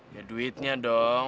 ya duitnya dong